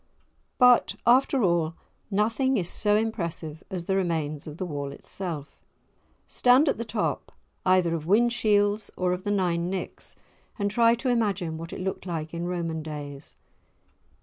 But, after all, nothing is so impressive as the remains of the wall itself. Stand at the top either of Whinshields or of the Nine Nicks, and try to imagine what it looked like in Roman days.